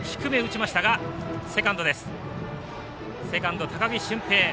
セカンド、高木馴平。